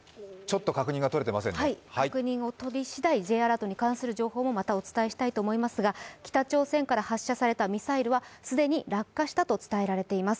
アラートに関する情報もお伝えしたいと思いますが北朝鮮から発射されたミサイルは既に落下したものとみられています。